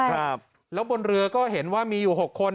แล้วบนเรือก็เห็นว่ามีอยู่๖คน